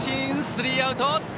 スリーアウト。